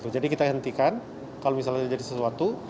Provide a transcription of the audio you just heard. jadi kita hentikan kalau misalnya ada sesuatu